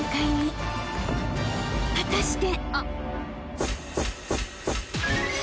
［果たして！？］